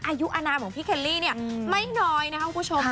อายุอนามของพี่เคลลี่ไม่น้อยนะคะคุณผู้ชม